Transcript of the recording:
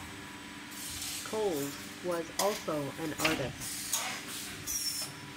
Coles was also an artist.